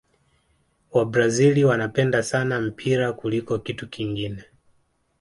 wabrazil wanapenda sana mpira kuliko kitu kingine